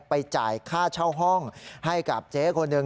จ่ายค่าเช่าห้องให้กับเจ๊คนหนึ่ง